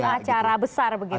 ataupun acara besar begitu ya